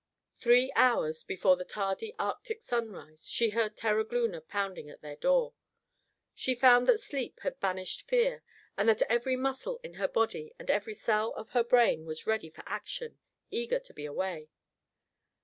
Three hours before the tardy Arctic sunrise, she heard Terogloona pounding at their door. She found that sleep had banished fear, and that every muscle in her body and every cell of her brain was ready for action, eager to be away.